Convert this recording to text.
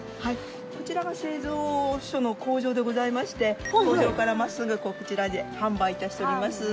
こちらが製造所の工場でございまして工場から真っすぐこちらで販売いたしております。